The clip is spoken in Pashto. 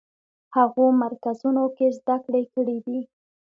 هغو مرکزونو کې زده کړې کړې دي.